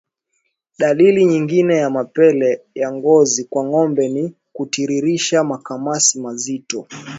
Dalili nyingine ya mapele ya ngozi kwa ngombe ni kutiririsha makamasi mazito